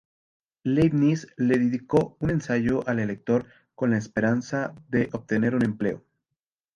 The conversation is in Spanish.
Leibniz le dedicó un ensayo al elector con la esperanza de obtener un empleo.